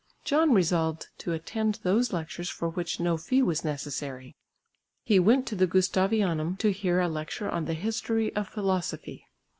John resolved to attend those lectures for which no fee was necessary. He went to the Gustavianum to hear a lecture on the history of philosophy.